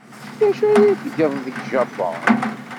D acu ara tgeḍ deg Japun?